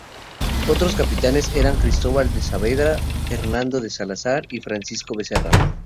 Otros capitanes eran Cristóbal de Saavedra, Hernando de Salazar y Francisco Becerra.